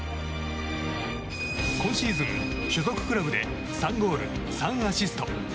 今シーズン、所属クラブで３ゴール３アシスト。